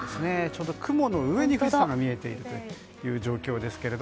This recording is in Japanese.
ちょうど雲の上に富士山が見えているという状況です。